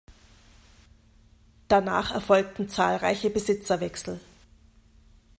Danach erfolgten zahlreiche Besitzerwechsel.